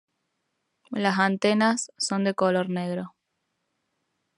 Las antenas son de color negro.